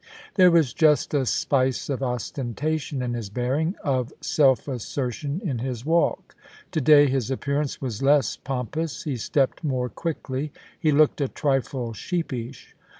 There was just a spice of ostentation in his bearing — of self assertion in his walk. To day his appearance was less pompous ; he stepped more quickly ; he looked a trifle sheepish.